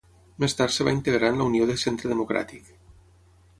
Més tard es va integrar en la Unió de Centre Democràtic.